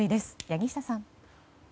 柳下さん。